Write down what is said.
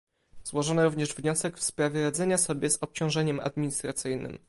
Złożono również wniosek w sprawie radzenia sobie z obciążeniem administracyjnym